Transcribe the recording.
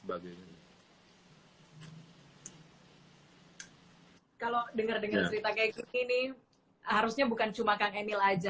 kalau dengar dengar cerita kayak gini harusnya bukan cuma kang emil aja